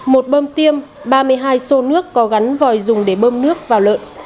một bơm tiêm ba mươi hai xô nước có gắn vòi dùng để bơm nước vào lợn